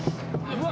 うわ！